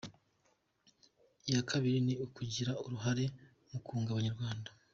Iya kabiri ni ukugira uruhare mu kunga Abanyarwanda.